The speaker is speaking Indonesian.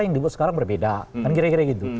yang dibuat sekarang berbeda kan kira kira gitu